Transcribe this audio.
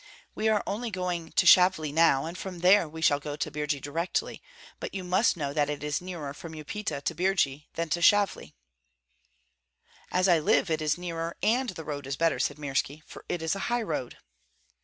We are only going to Shavli now, and from there we shall go to Birji directly; but you must know that it is nearer from Upita to Birji than to Shavli." "As I live, it is nearer, and the road is better," said Mirski, "for it is a high road."